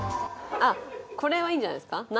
あっこれはいいんじゃないですか？